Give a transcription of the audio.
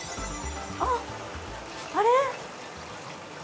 あっあれ？